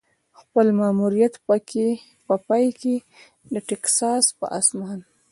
د خپل ماموریت په پای کې د ټیکساس په اسمان.